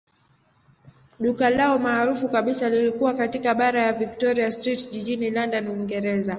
Duka lao maarufu kabisa lilikuwa katika barabara ya Victoria Street jijini London, Uingereza.